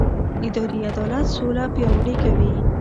اداري عدالت سوله پیاوړې کوي